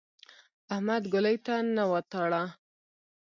احمد ګولۍ ته نه وتاړه.